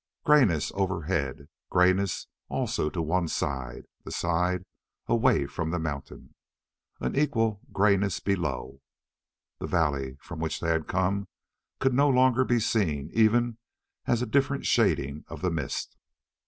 Grayness overhead. Grayness also to one side, the side away from the mountain. And equal grayness below. The valley from which they had come could no longer be seen even as a different shading of the mist.